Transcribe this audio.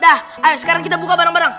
dah ayo sekarang kita buka bareng bareng